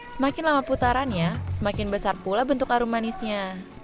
semakin lama putarannya semakin besar pula bentuk arum manisnya